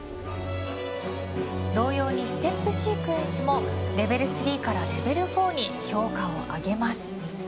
同様にステップシークエンスもレベル３からレベル４に評価を上げます。